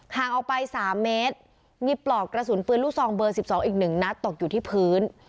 หางออกไปสามเมตรมีปลอกกระสุนปืนลูกซองเบอร์สิบสองอีกหนึ่งนัดตกอยู่ที่พื้น